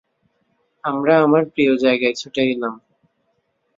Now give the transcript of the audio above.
আমরা আমার প্রিয় জায়গায় ছুটে গেলাম।